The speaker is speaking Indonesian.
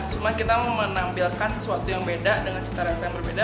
cuma kita mau menampilkan sesuatu yang beda dengan cita rasa yang berbeda